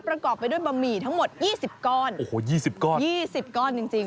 ประกอบไปด้วยบะหมี่ทั้งหมดยี่สิบก้อนโอ้โห๒๐ก้อน๒๐ก้อนจริงจริง